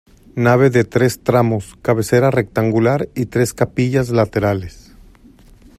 Nave de tres tramos, cabecera rectangular y tres capillas laterales.